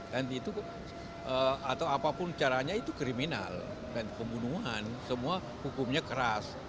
dan itu atau apapun caranya itu kriminal dan pembunuhan semua hukumnya keras